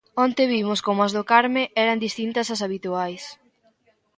Onte vimos como as do Carme eran distintas ás habituais.